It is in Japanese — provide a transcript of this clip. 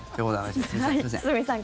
堤さん